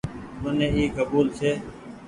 مني اي ڪبول ڇي ۔